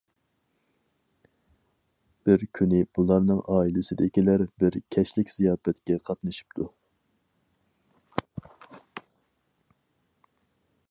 بىر كۈنى بۇلارنىڭ ئائىلىسىدىكىلەر بىر كەچلىك زىياپەتكە قاتنىشىپتۇ.